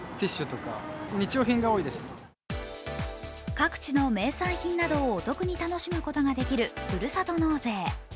各地の名産品などをお得に楽しむことができるふるさと納税。